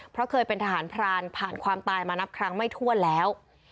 เพราะเคยเป็นทหารพรานผ่านความตายมานับครั้งไม่ทั่วแล้ว